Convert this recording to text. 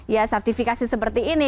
ya sertifikasi seperti ini